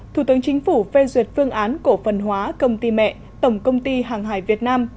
thủ tướng chính phủ phê duyệt phương án cổ phần hóa công ty mẹ tổng công ty hàng hải việt nam